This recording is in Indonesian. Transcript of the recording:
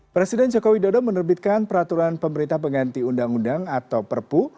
presiden joko widodo menerbitkan peraturan pemerintah pengganti undang undang atau perpu